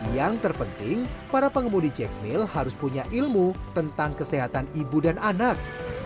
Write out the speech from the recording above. yang terpenting para pengemudi cek mill harus punya ilmu tentang kesehatan ibu dan anak